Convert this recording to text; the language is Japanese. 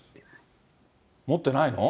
持ってないの？